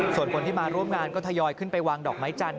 ส่วนคนที่มาร่วมงานก็ทยอยขึ้นไปวางดอกไม้จันท